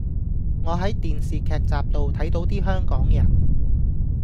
我喺電視劇集度睇倒啲香港人